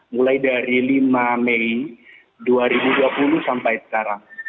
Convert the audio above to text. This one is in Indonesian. mulai dari lima mei dua ribu dua puluh sampai sekarang